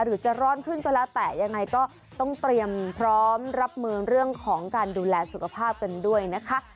หรือจะร้อนขึ้นก็แล้วแต่ยังไงก็ต้องเตรียมพร้อมรับมือเรื่องของการดูแลสุขภาพกันด้วยนะคะ